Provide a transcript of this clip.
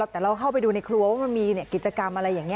แต่เราเข้าไปดูในครัวว่ามันมีกิจกรรมอะไรอย่างนี้